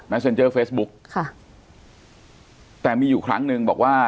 เซ็นเจอร์เฟซบุ๊กค่ะแต่มีอยู่ครั้งหนึ่งบอกว่า